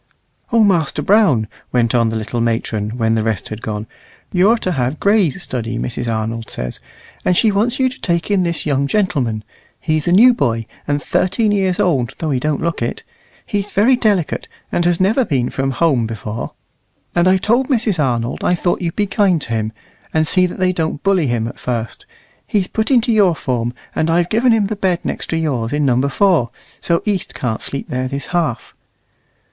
"O Master Brown," went on the little matron, when the rest had gone, "you're to have Gray's study, Mrs. Arnold says. And she wants you to take in this young gentleman. He's a new boy, and thirteen years old though he don't look it. He's very delicate, and has never been from home before. And I told Mrs. Arnold I thought you'd be kind to him, and see that they don't bully him at first. He's put into your form, and I've given him the bed next to yours in Number 4; so East can't sleep there this half."